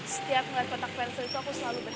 setiap ngeliat kotak pensil itu aku selalu berharap